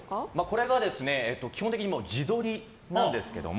基本的に自撮りなんですけども。